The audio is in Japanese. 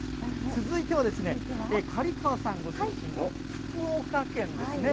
続いては、刈川さんご出身の福岡県ですね。